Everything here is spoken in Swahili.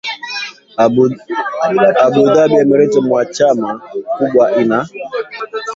Abu Dhabi ni emirati mwanachama kubwa ina